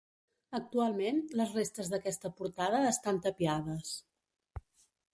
Actualment, les restes d'aquesta portada estan tapiades.